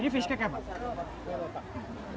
ini fish cake ya pak